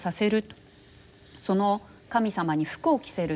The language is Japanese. その神様に服を着せる。